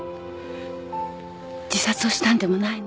自殺をしたんでもないの。